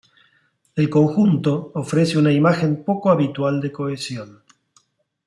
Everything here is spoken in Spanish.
El conjunto ofrece una imagen poco habitual de cohesión.